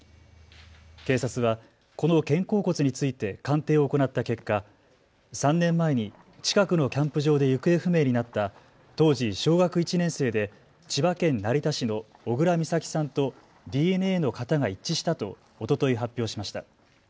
警察はこの肩甲骨について鑑定を行った結果、３年前に近くのキャンプ場で行方不明になった当時小学１年生で千葉県成田市の小倉美咲さんとＤＮＡの型が一致したとおととい発表しました。